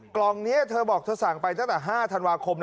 กล่องนี้เธอบอกเธอสั่งไปตั้งแต่๕ธันวาคม